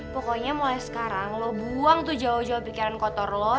pokoknya mulai sekarang lo buang tuh jauh jauh pikiran kotor lo